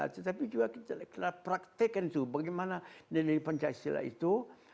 tetapi juga kita praktekkan itu bagaimana dari pancasila itu